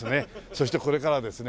そしてこれからですね